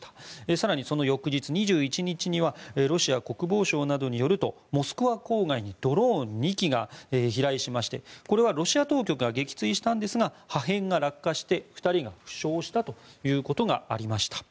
更に、その翌日の２１日にはロシア国防省などによるとモスクワ郊外にドローン２機が飛来しましてこれはロシア当局が撃墜したんですが破片が落下して２人が負傷したということがありました。